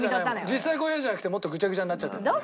実際こういう部屋じゃなくてもっとぐちゃぐちゃになっちゃったんだよね。